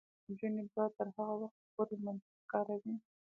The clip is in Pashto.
نجونې به تر هغه وخته پورې منطق کاروي.